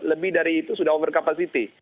lebih dari itu sudah over capacity